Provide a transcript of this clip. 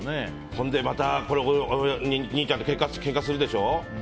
また、兄ちゃんとけんかするでしょ。